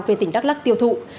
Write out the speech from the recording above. về tỉnh đắk lắc tiêu thụ